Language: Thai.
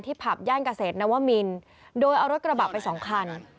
ผับย่านเกษตรนวมินโดยเอารถกระบะไปสองคัน